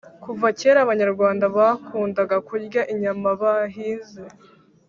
kuva kera abanyarwanda bakundaga kurya inyama bahize